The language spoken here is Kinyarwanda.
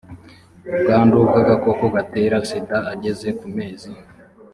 ubwandu bw agakoko gatera sida ageze ku mezi